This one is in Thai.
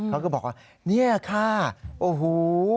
เขาก็บอกว่าเนี่ยค่ะโอ้โห